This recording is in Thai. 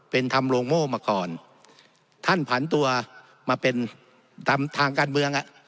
เป็นทำโรงโม่มาก่อนท่านผันตัวมาเป็นทำทางการเมืองอ่ะ